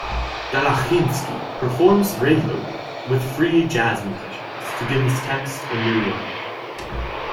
Dalachinsky performs regurarly with free-jazz musicians to give his text a new life.